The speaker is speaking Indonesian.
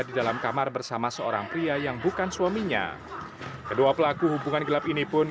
di dalam kamar bersama seorang pria yang bukan suaminya kedua pelaku hubungan gelap ini pun